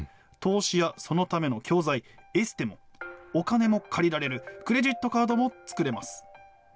投資や、そのための教材、エステもお金も借りられる、クレジットカードも作れます。